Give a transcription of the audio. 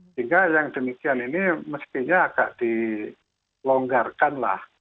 sehingga yang demikian ini mestinya agak dilonggarkanlah